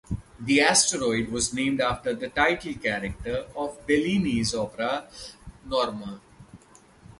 The asteroid was named after the title character of Bellini's opera "Norma".